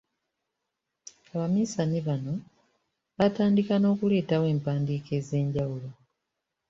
Abaminsani bano baatandika n’okuleetawo empandiika ez’enjawulo.